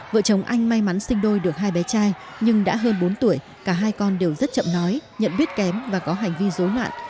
vợ chồng anh may mắn sinh đôi được hai bé trai nhưng đã hơn bốn tuổi cả hai con đều rất chậm nói nhận biết kém và có hành vi dối loạn